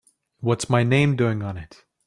What's my name doing on it?